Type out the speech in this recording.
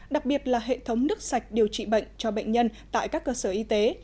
đặc biệt là hệ thống nước sạch điều trị bệnh cho bệnh nhân tại các cơ sở y tế